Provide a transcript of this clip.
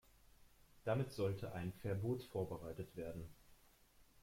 Damit sollte ein Verbot vorbereitet werden.